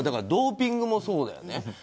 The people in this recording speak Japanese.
ドーピングもそうだよね。